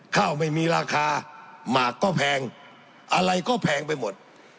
ข้าวไม่มีราคาหมากก็แพงอะไรก็แพงไปหมด